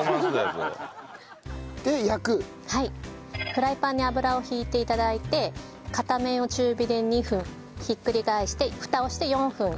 フライパンに油を引いて頂いて片面を中火で２分ひっくり返してフタをして４分焼いてください。